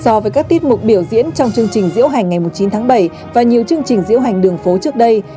so với các tiết mục biểu diễn trong chương trình diễu hành ngày chín tháng bảy và nhiều chương trình diễu hành đường phố trước đây